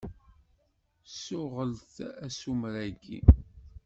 Ssuɣel-t asumer-agi.